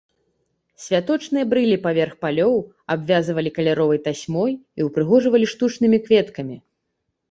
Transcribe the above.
Святочныя брылі паверх палёў абвязвалі каляровай тасьмой і ўпрыгожвалі штучнымі кветкамі.